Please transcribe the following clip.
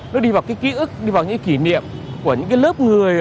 nó đi vào cái ký ức đi vào những kỷ niệm của những cái lớp người